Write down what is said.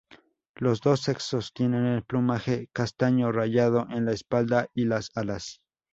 Los dos sexos tienen el plumaje castaño rayado en la espalda y las alas.